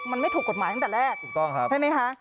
มันไม่ถูกกฎหมายตั้งแต่แรกถูกต้องครับใช่ไหมคะ